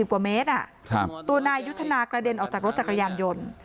กว่าเมตรตัวนายยุทธนากระเด็นออกจากรถจักรยานยนต์